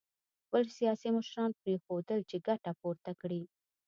خپل سیاسي مشران پرېنښودل چې ګټه پورته کړي